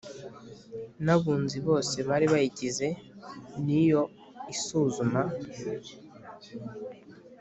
n Abunzi bose bari bayigize niyo isuzuma